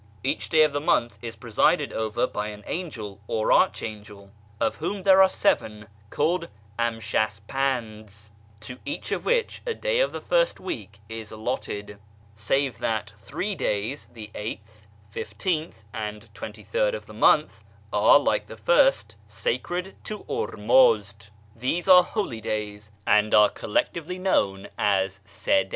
Each day of the month is presided over by an angel or arch YEZD 377 angel (of whom there are seven, called AmshasjMnds, to each of which a day of the first week is allotted), save that three days, the 8th, 15th, and 23d of the month, are, like the first, sacred to Ormuzd. These are holy days, and are collectively known as the Si dcy.